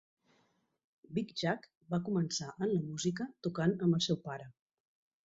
Big Jack va començar en la música tocant amb el seu pare.